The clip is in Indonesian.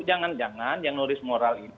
jangan jangan yang nulis moral ini